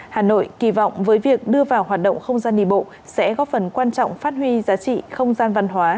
hà nội kỳ vọng với việc đưa vào hoạt động không gian đi bộ sẽ góp phần quan trọng phát huy giá trị không gian văn hóa